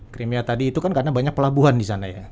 crimea tadi itu kan karena banyak pelabuhan disana ya